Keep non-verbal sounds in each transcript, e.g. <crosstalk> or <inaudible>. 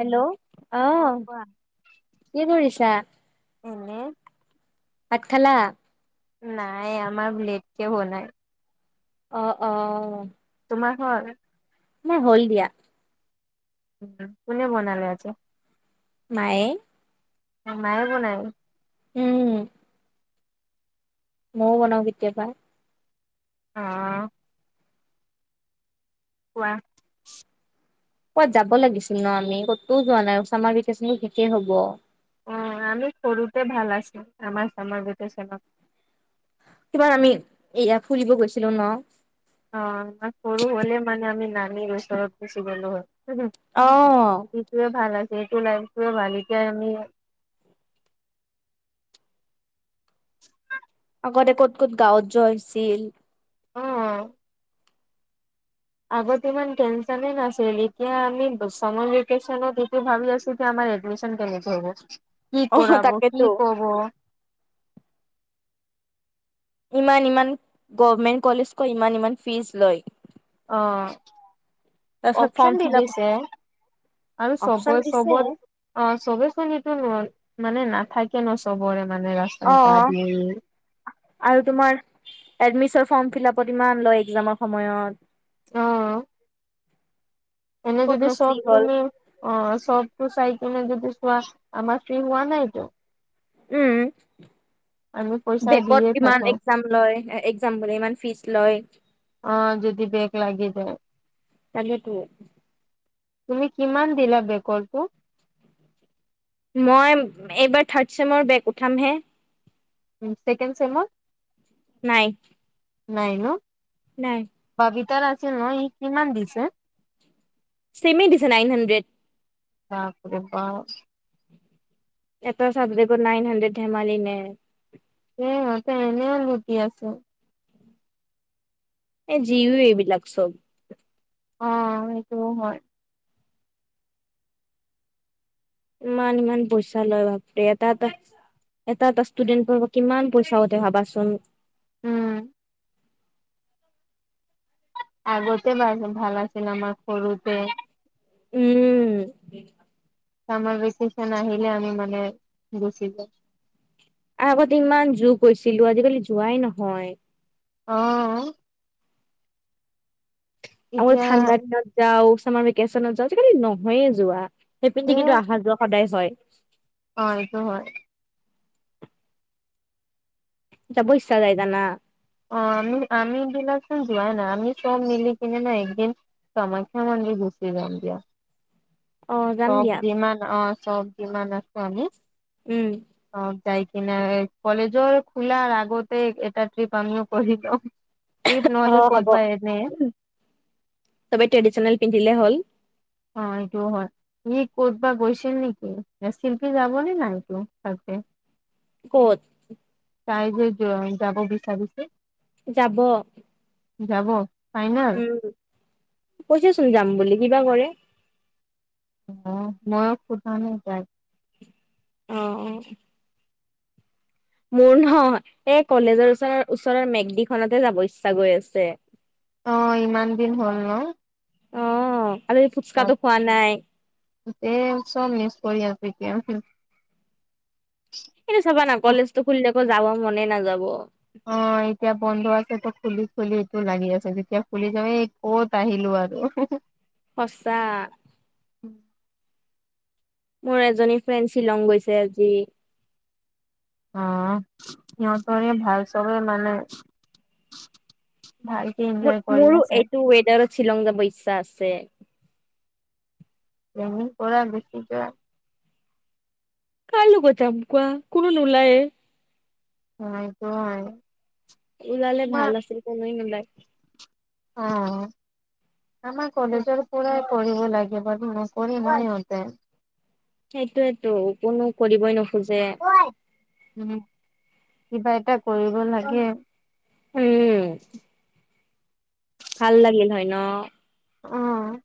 Hello অ' কি কৰিছাঁ? এনে ভাত খালা? নাই আমাৰ লেতকে বনাই অ'-অ' তোমাৰ হ'ল? আমাৰ হ'ল দিয়া। ভাত কোনে বনালে আজি? মায়ে মায়ে বনাই। উম ময়ো বনাওঁ কেতিয়াবা অ' কোৱা কৰবাত যাব লাগিছিল ন' আমি ক'তো যোৱা নাই চামাৰ ভেকেচন শেষেই হ'ব। অ' আমি সৰুতে ভাল আছোঁ আমাৰ চামাৰ ভেকেচনত কিবা আমি এয়া ফুৰিব গৈছিলোঁ ন' অ' আমাৰ সৰু হ'লে মানে আমি নানীৰ ওচৰত গুচি গলোঁ হয়। অ' সিটোৱে ভাল আছে সেইটো লাইফটোৱে ভাল এতিয়া আমি <inaudible> আগতে ক'ত-ক'ত গাঁৱত যোৱা হৈছিল। অ' আগতে ইমান টেনচনে নাছিল এতিয়া আমি চামাৰ ভেকেচনত এইটো ভাবি আছিলোঁ এতিয়া আমাৰ এডমিচন কেনেকে হ'ব কি অ কৰাব তাকেতো কি ক'ব ইমান-ইমান গভমেন্ট কলেজ কয় ইমান-ইমান ফিজ লয়। অ' তাৰপিছত ফৰ্ম অপচন দি ফিল আপ দিছে আৰু অপচন দিছে চবত-চবত অ' চবে চোন এইটো‌ নোৱাৰে মানে নাথাকে ন' চবৰে মানে ৰাস্তা অ' আৰু তোমাৰ এডমিচন ফৰ্ম ফিলপত ইমান লয় এক্সামৰ সময়ত। অ' এনে যদি ক'তনো চব ফ্ৰী হ'ল তুমি অ' চবতো চাই কিনে যদি চোৱা আমাৰ ফ্ৰী হোৱা নাইটো। উম। আমি পইচা বেকত দিয়ে ইমান থাকো এক্সাম লয় এক্সাম বোলে ইমান ফিজ লয়। অ' যদি বেগ লাগি যায়। তাকেইটো তুমি কিমান দিলা বেকৰটো মই এইবাৰ থাৰ্ড চেমৰ বেগ উঠামহে। উম, ছেকেণ্ড ছেমত। নাই। নাই‌ ন'? নাই। ববিতাৰ আছিল ন এই কিমান দিছে চেমে দিছে নাইন হাণ্ড্ৰেড বাপ্ৰে বাপ এটা চাবজেক্ত নাইন হাণ্ড্ৰেড ধেমালি নে সিহঁতে এনেও লুটি আছে এ জিৱ এইবিলাক চব অ সেইটো হয় ইমান ইমান পইচা লয় বাপৰে এটা এটা, এটা এটা ষ্টুডেণ্টৰ পৰা কিমান পইচা উঠে ভাবাচোন উম আগতে বা ভাল আচিলে আমাৰ সৰুতে, উম আমাৰ বকিচন আহিলে আমি মানে গুচি যাম আ আগতে ইমান জোৰ গৈছিলোঁ আজিকালি যোৱাই নহয়। অ আমি এতিয়া ঠাণ্ডা দিনত যাওঁ চামাৰ ভেকচনত যাওঁ আজি কালি নহয়ে যোৱা। সেই পিনে কিন্তু আহা যোৱা সদায় হয় হয় এইটো হয় যাব ইচ্ছা যায় জানা অ আমি আমি বিলাকচোন যোৱাই নাই আমি চব মিলি পিনে ন একদিন, কামাখ্যা মন্দিৰ ঘুচি যাম দিয়া। অ যাম দিয়া চবযিমান অ চবযিমান আছোঁ আমি, উম অ তাই কি না কলেজৰ খোলাৰ আগতে এটা ট্ৰিপ আমিও কৰি লওঁ এইপ অ নহলে ক'ত হ'ব দিবা এনে চবে ট্ৰেডিচনেল পিন্ধিলে হল- অ এইটো হয়। ই কতবা গৈছিল নেকি শিল্পী যাব ন নাই ততে ক'ত তাইযে যাব বিচাৰিছে। যাব যাব ফাইনেল উম কৈছেচোন যাম বুলি কিবা কৰে অ মই সোধা নাই তাক অ অ মোৰ ন এই কলেজৰ ওচৰৰ ওচৰৰ মেকদিখনতে যাব ইচ্ছা গৈ আছে অ ইমান দিন হ'ল ন অ আৰু সেই ফুচকাটো খোৱা নাই। তে চব মিছ কৰি আছো এতিয়া সেইটো চাবা না কলেজটো খুলিলে আকৌ যাব মনে নাযাব। অ এতিয়া বন্ধ আছে খুলি খুলি এইটো লাগি আছে যেতিয়া খুলি যাব। ক'ত আহিলো আৰু সঁচা মোৰ এজনী ফ্ৰেণ্ড শ্বিলং, গৈছে আজি। অ সিহঁতৰে ভাল চবৰে মানে ভাল। মোৰো এইটো ৱেডাৰত শ্বিলং, যাব ইচ্ছা আছে টেনিং পৰা গুছি যোৱা। কাই লগত যাম কোৱা‌ কোনো নোলাইয়ে। অ এইটো হয়। ওলালে তোমাৰ ভাল আছিল কোনোৱে নোলাই। অ আমাৰ কলেজৰ পুৰাই পঢ়িব লাগে বাৰ নকৰি নহঁতে, সেইটোয়েতো কোনো কৰিবই নোখোজে, উম কিবা এটা কৰিব লাগে। উম ভাল লাগিল হয় ন, উম,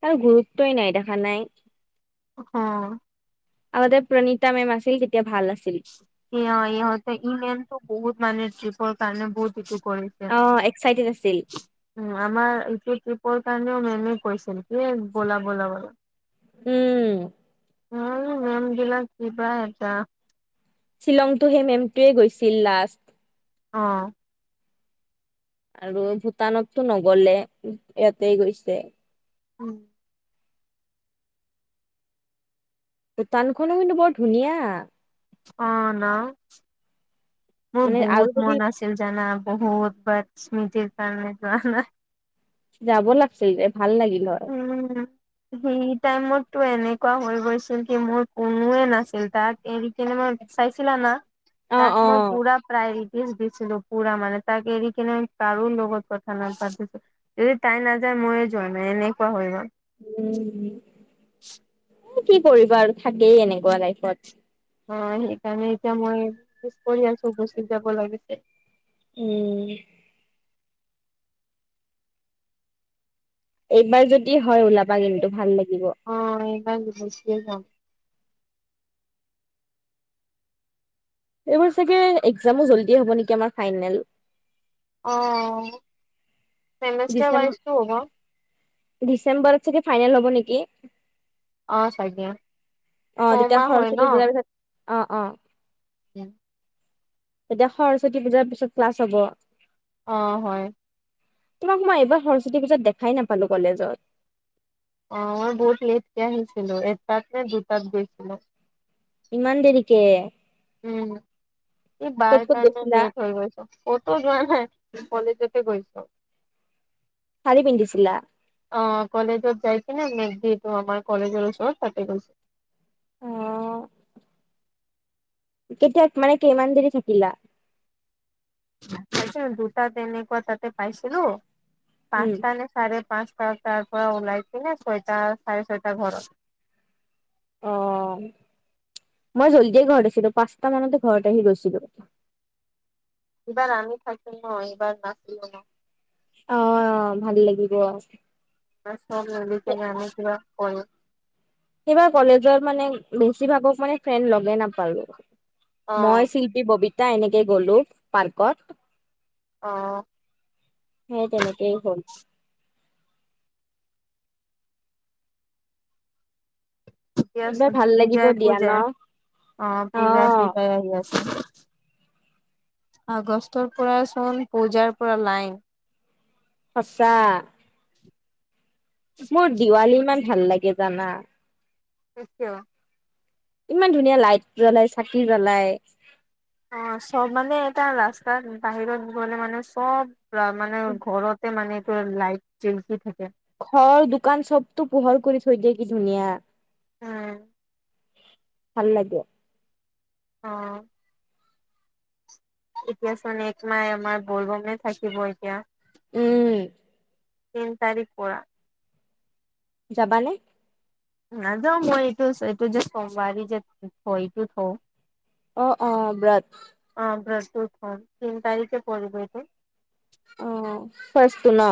ত গুৰুত্বই নাই দেখা নাই। উম, আমতে প্ৰণীতা মেম আছিল তেতিয়া ভাল আছিল। স ইহঁত ই মেমতটো বহুত মানে ট্ৰিপৰ কাৰণে বহুত ইটো কৰিছে। অঁ এক্সাইটেড আছিল। উ আমাৰ এইটো ট্ৰিপৰ কাৰণেও মেমে কৈছিল কি ব'লা বোলা বলা। উম, উম মন বিলাক কিবা এটা শ্বিলংতো সেই মেমটোৱে গৈছিল লাষ্ট, অ আৰু ভূটানততো নগলে ইয়াতে গৈছে, উম ভূটানখনো কিন্তু বৰ ধুনীয়া। অ ন মোৰ মানে আৰু বহুত যদি মন আছে। জানা বহুত বাৰ স্মৃতিৰ কাৰণে যোৱা। যাব লাগিছিল যে ভাল লাগিল হয়। উম উম, সেই টাইমতটো এনেকুৱা হৈ গৈছিল কি মোৰ কোনোৱে নাছিল তাত এৰি কিনে মই চাইছিলা না অ তাক মই অ পুৰা প্ৰায় কিছ দিছিলো পুৰা মানে তাকে এৰি কিনে কাৰো লগত কথা নাপাতি, যদি তাই নাযায় ময়ে যোৱা মানে এনেকুৱা হয় গ'ল, উ কি কৰিবা আৰু থাকেই এনেকুৱা লাইফত, অ সেইকাৰণে এতিয়া মই কৰি আছো পিছপৰি যাব লাগিছে উম, এইবাৰ যদি হয় ওলাবা কিন্তু ভাল লাগিব। <unintelligible> এইবোৰ চাগে একজামো যলদি হ'ব নেকি আমাৰ ফাইনেল, অ চেমেষ্টাৰ ডিচেম ওৱাইছটো হ'ব। ডিচেম্বৰত চাগে ফাইনেল হ'ব নেকি? অ চাগে। অ তেতিয়া ছমাহ হয় সৰস্বতী পুজাৰ পিছত অ অ। উম। তেতিয়া সৰস্বতী পূজাৰ পিছত ক্লাছ হ'ব। অ হয়। তোমাক মই এইবাৰ সৰস্বতী পূজাত দেখাই নাপালো কলেজত। অ মই বহুত লেটকে আহিছিলো এটাত নে দুটাত গৈছিলো। ইমান দেৰিকে। উম, এই ক'ত বাই ক'ত কাৰনে গৈছিলা? ডেট হৈ গল। ক'তো যোৱা নাই কলেজতে গৈছো। শাৰী পিন্ধিছিলা। অ কলেজত যাইকিনে ন মে যিহেতু আমাৰ কলেজৰ ওচৰত তাতে গৈছিলো। অ। কেতিয়া মানে কেইমান দেৰি থাকিলা। পাইছিলো দুটা তেনেকুৱা তাতে পাইছিলো, উম, পাঁচটা নে চাৰে পাঁচটা তাৰ পৰা ওলাইছিলে ছয়টা চাৰে ছয়টা ঘৰত। অঁ, মই জলদিয়ে ঘৰত আছিলোঁ পাঁচটা মানতে ঘৰত আহি গৈছিলো। ইবাৰ আমি থাকো ন এইবাৰ নাছিলোঁ ন। অঁ অঁ ভাল লাগিব। মানে চব মিলি কিনে আমি কিবা কৰি এইবাৰ কলেজত মানে বেছিভাগক মানে ফ্ৰেণ্ড লগে নাপালোঁ। অ মই চি ববিতা এনেকে গ'লো পাৰ্কত। অঁ। সেই তেনেকেই হ'ল। এইবাৰ এয়াচোন ভাল লাগিব পূজাই দিয়া ন পূজাই, অঁ অ পূজাই পূজাই আহি আছে। আগষ্টৰ পৰা চোন পূজাৰ পুৰা লাইন সঁচা। মোৰ দিৱালী ইমান ভাল লাগে জানা? সেইটো। ইমান ধুনীয়া লাইট জ্বলাই, চাকি জ্বলাই। অঁ চব মানে এটা ৰাস্তাত বাহিৰত গ'লে মানে চব পুৰা মানে ঘৰতে মানে এইটো লাইট জিলিকি থাকে। ঘৰ, দোকান চবতো পোহৰ কৰি থৈ দিয়ে কি ধুনীয়া। উম। ভাল লাগে। অঁ। এতিয়া চোন এক মাহ এমাহ বলবমে থাকিব এতিয়া। উম। তিন তাৰিখ পৰা। যাবানে? নাযাওঁ মই এইটো এইটো জাষ্ট সোমবাৰে যে থয় এইটো থওঁ। অঁ অঁ ব্ৰত। অঁ ব্ৰতটো থওঁ, তিন তাৰিখে পৰিব এইটো। অঁ ফাৰ্ষ্টটো না?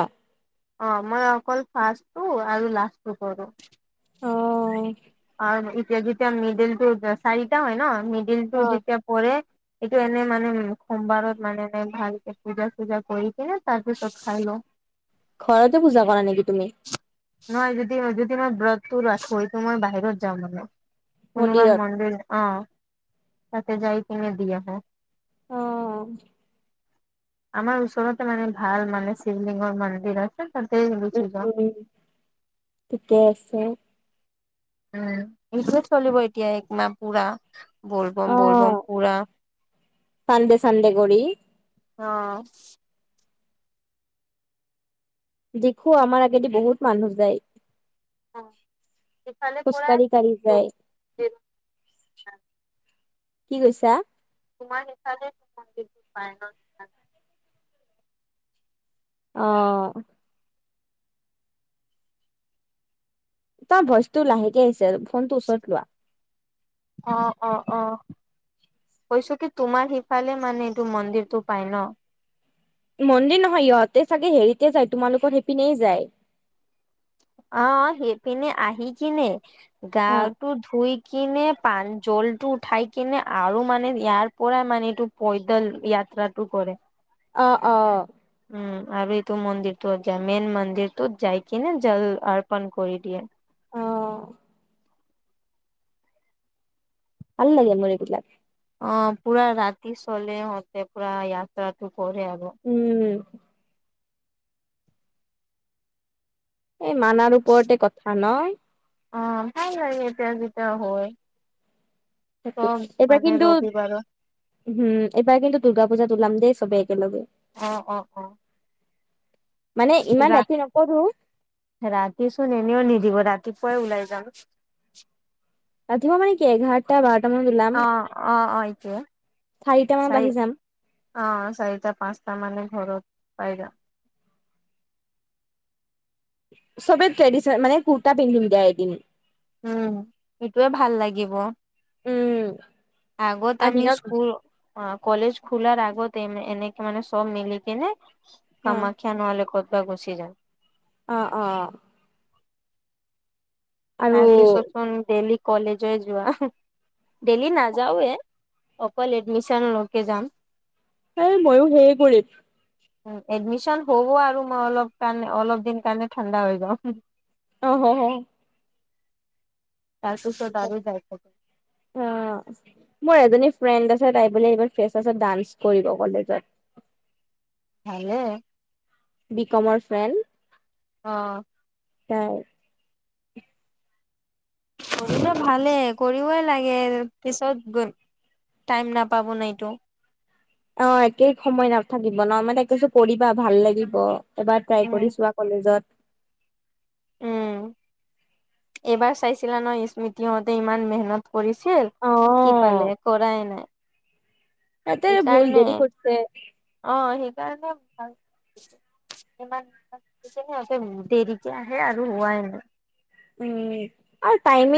অঁ মই অকল ফাৰ্ষ্টটো আৰু লাষ্টটো কৰোঁ। অহ। আৰু এতিয়া যেতিয়া মিডিলটো চাৰিটা হয় ন মিডিলটো অ যেতিয়া পৰে এইটো এনে মানে উম সোমবাৰত মানে এনে ভালকে পূজা চূজা কৰি কিনে তাৰ পিছত খাই লওঁ। ঘৰতে পূজা কৰা নেকি তুমি? নহয় যদি যদি মই ব্ৰতটো ৰাখোঁ সেইটো মই বাহিৰত যাওঁ মানে। কোনোবা মন্দিৰত মন্দিৰ অঁ তাতে যায় কিনে দি আহোঁ। অহ। আমাৰ ওচৰতে মানে ভাল মানে শিৱলিংগৰ মন্দিৰ আছে তাতে গুচি যাওঁ। উম ঠিকে আছে। উম, সেইটোৱে চলিব এতিয়া একমাহ পুৰা অ বলবম বলবম পুৰা। চানডে চানডে কৰি। অঁ। দেখো আমাৰ আগেদি বহুত মানুহ যায়। অ ইফালে খোজ পৰা কাঢ়ি কাঢ়ি যায়। কি কৈছা? তোমাৰ সেইফালে মন্দিৰটো পায় ন। সেইকাৰণে। অঁ। তোমাৰ ভয়েচটো লাহেকে আহিছে ফোনটো ওচৰত লোৱা। অঁ অহ অহ। কৈছো কি তোমাৰ সিফালে মানে এইটো মন্দিৰতটো পাই ন। মন্দিৰ নহয় ইহঁতে চাগে হেৰিতে যায়, তোমালোকৰ সেইপিনে যায়। অ, সেইপিনে আহি কিনে হা গাটো ধুই কিনে পান জলটো উঠাই কিনে আৰু মানে ইয়াৰ পৰাই মানে এইটো পৈদল য়াত্ৰাটো কৰে। অ', অ', উম, আৰু এইটো মন্দিৰটোত যায় মেইন মন্দিৰটোত যাই কিনে জল অৰ্পন কৰি দিয়ে। অ ভাল লাগে মুৰ এইবিলাক। অ, পুৰা ৰাতি চলে অ ইয়াতে পুৰা য়াত্ৰাতটো কৰে আৰু। উম, এই মানাৰ ওপৰতে কথা নহ। অ, <unintelligible> এতিয়া যেতিয়া হয়। তাকে অ, এইবাৰ মানে কিন্তু ৰবিবাৰ। উম, এইবাৰ কিন্তু দুৰ্গা পূজাত ওলাম দেই সবেই একেলগে। অ', অ', অ মানে ইমান ৰা ৰাতি নকৰো। ৰাতিচোন এনেও নিদিব ৰাতিপুৱাই ওলাই যাম। ৰাতিপুৱা মানে কি এঘাৰটা, বাৰটা মানত ওলাম অ অ অ এইটোৱে চাৰিটা মানত চাৰি আহি যাম। অ, চাৰিটা, পাঁচটা মানে ঘৰত পাই যাম। সবে ট্ৰেডিচনেল মানে কুৰ্তা পিন্ধিম দিয়া এদিন। উম, সেইটোয়ে ভাল লাগিব উম আগত আৰু আমি দিনত স্কুল অ, কলেজ খোলাৰ আগতে এনেকে মানে চব মিলিকেনে অ কামাখ্যা নহ'লে কতবা ঘুচি যাম। অ', অ', অ', আৰু তাৰপিছতচোন ডেইলি কলেজে যোৱা। ডেলি নাযাওৱেই অকল এডমিশন লৌকে যাম। এ ময়ো সেই কৰিম উম, এডমিচন হ'ব আৰু মই অলপ কাৰণে অলপ দিন কাৰণে ঠাণ্ডা হৈ যাম। অ, হও-হও। তাৰপিছত আৰু যাই ক'ব। অ', মোৰ এজনী ফ্ৰেণ্ড আছে তাইক বোলে ইমান ফ্ৰেচ আছত ডান্স কৰিব কলেজত। ভালে। বিকমৰ ফ্ৰেণ্ড। অ', কাই <unintelligible> কৰিলে ভালেই কৰিবই লাগে, পিছত গোন টাইম নাপাব ন এইটো। অ, একেই সময় নাথাকিব ন, মানে কিছো কৰিবা ভাল লাগিব। এবাৰ ট্ৰাই উম কৰি চোৱা কলেজত। উম এইবাৰ চাইছিলা ন স্মৃতিহতে ইমান মেহনত কৰিছিল, অ কি পালে কৰাই নাই। তাতে ভুল সেইকাৰণে, দেৰি কৰিছে অ, সেইকাৰণে ভাল ইমান সিহঁতে দেৰিকে আহে আৰু হোৱাই নাই। উম, আৰু টাইমিং